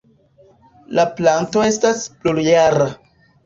La planto estas plurjara.